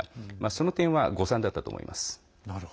その点は誤算だったと思います。